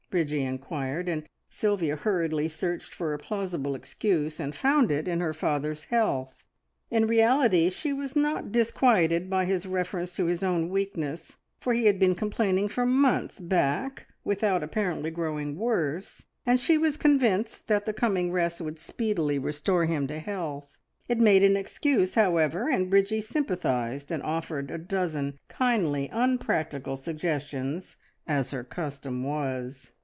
Bridgie inquired, and Sylvia hurriedly searched for a plausible excuse and found it in her father's health. In reality she was not disquieted by his reference to his own weakness, for he had been complaining for months back without apparently growing worse, and she was convinced that the coming rest would speedily restore him to health. It made an excuse, however, and Bridgie sympathised and offered a dozen kindly, unpractical suggestions as her custom was.